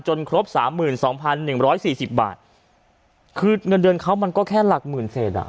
ครบสามหมื่นสองพันหนึ่งร้อยสี่สิบบาทคือเงินเดือนเขามันก็แค่หลักหมื่นเศษอ่ะ